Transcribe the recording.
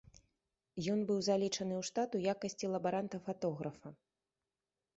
Ён быў залічаны ў штат у якасці лабаранта-фатографа.